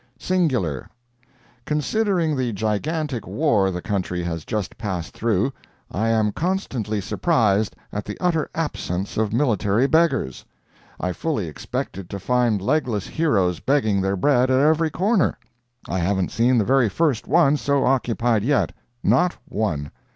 SINGULAR Considering the gigantic war the country has just passed through, I am constantly surprised at the utter absence of military beggars. I fully expected to find legless heroes begging their bread at every corner. I haven't seen the very first one so occupied yet—not one.